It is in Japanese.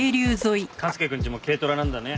勘介くんちも軽トラなんだね。